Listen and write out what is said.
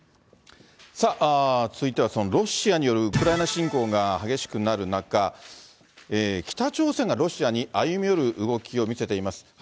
さあ、続いてはそのロシアによるウクライナ侵攻が激しくなる中、北朝鮮がロシアに歩み寄る動きを見せています。